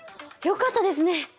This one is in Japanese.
よかったですね！